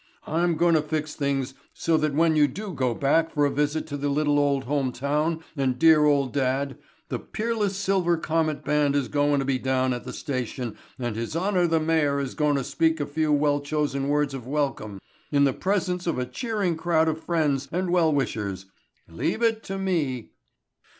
I'm goin' to fix things so that when you do go back for a visit to the little old home town and dear old dad, the Peerless Silver Cornet band is goin' to be down at the station and his honor the mayor is goin' to speak a few well chosen words of welcome in the presence of a cheering crowd of friends and well wishers. Leave it to me."